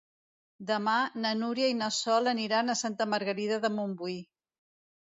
Demà na Núria i na Sol aniran a Santa Margarida de Montbui.